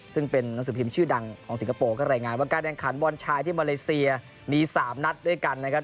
ซึ่งเป็นหนังสือพิมพ์ชื่อดังของสิงคโปร์ก็รายงานว่าการแข่งขันบอลชายที่มาเลเซียมี๓นัดด้วยกันนะครับ